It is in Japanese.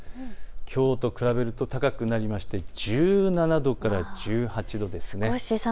きょうと比べると高くなりまして１７度から１８度です。